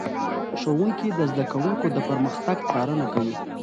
ښوونکي د زده کوونکو د پرمختګ څارنه کوي.